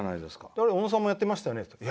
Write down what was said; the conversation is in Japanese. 小野さんもやってましたよねって。